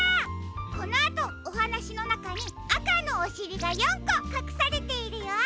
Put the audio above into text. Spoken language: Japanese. このあとおはなしのなかにあかのおしりが４こかくされているよ。